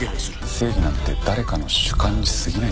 正義なんて誰かの主観にすぎないって事だ。